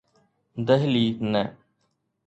دهلي نه.